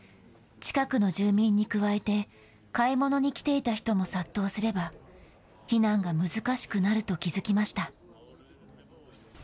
近くの住民に加えて、買い物に来ていた人も殺到すれば、避難が難しくなると気付きました。